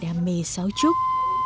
đam mê xáo trúc